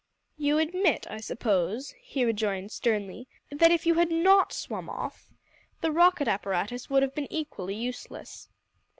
"You admit, I suppose," he rejoined sternly, "that if you had not swum off, the rocket apparatus would have been equally useless."